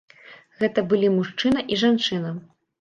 Гэта былі мужчына і жанчына.